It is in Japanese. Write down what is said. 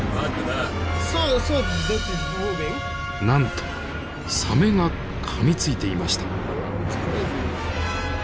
なんとサメがかみついていました。